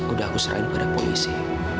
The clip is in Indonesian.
udah aku serahin pada polisi